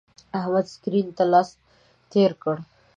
احمد سکرین ته لاس تیر کړ.